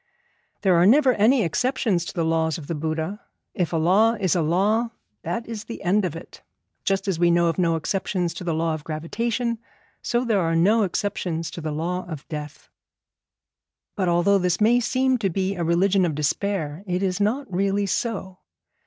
There are never any exceptions to the laws of the Buddha. If a law is a law, that is the end of it. Just as we know of no exceptions to the law of gravitation, so there are no exceptions to the law of death. But although this may seem to be a religion of despair, it is not really so.